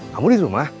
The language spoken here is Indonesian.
kamu di rumah